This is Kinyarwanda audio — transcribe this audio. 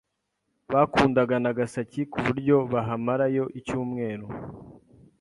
Bakundaga Nagasaki kuburyo bahamarayo icyumweru.